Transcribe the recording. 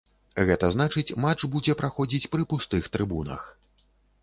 Гэта значыць, матч будзе праходзіць пры пустых трыбунах.